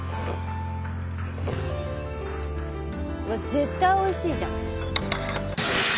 絶対おいしいじゃん。